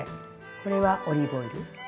これはオリーブオイル。